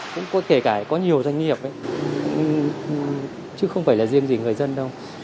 có thể cả có nhiều doanh nghiệp ấy chứ không phải là riêng gì người dân đâu